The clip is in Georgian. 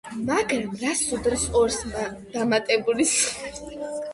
მაგრამ, რას უდრის ორს დამატებული სამი?